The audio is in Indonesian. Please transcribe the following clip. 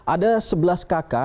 ada sebelas kakak